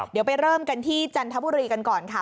เดี๋ยวไปเริ่มกันที่จันทบุรีกันก่อนค่ะ